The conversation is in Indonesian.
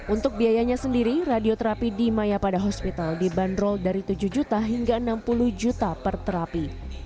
untuk biayanya sendiri radioterapi di maya pada hospital dibanderol dari tujuh juta hingga enam puluh juta per terapi